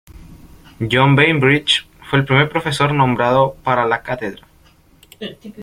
John Bainbridge fue el primer profesor nombrado para la cátedra.